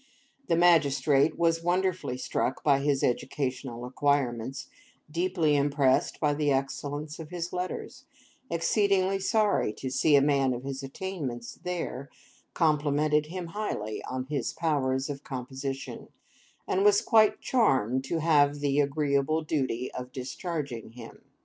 The Magistrate was wonderfully struck by his educational acquirements, deeply impressed by the excellence of his letters, exceedingly sorry to see a man of his attainments there, complimented him highly on his powers of composition, and was quite charmed to have the agreeable duty of discharging him.